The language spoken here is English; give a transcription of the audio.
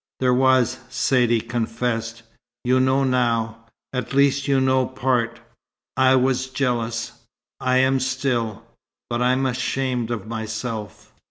"There was!" Saidee confessed. "You know now at least you know part. I was jealous. I am still but I'm ashamed of myself.